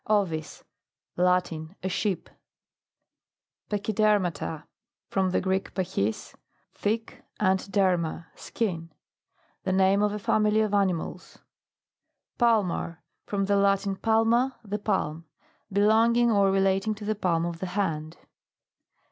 Ovrs. Latin. A Sheep. PACHYUERMATA. From the Greek, pachus, thick, and derma, skin. The name of a family of animals. PALMAR. From the Latin, palma, the palm. Belonging or relating to the palm of the hand.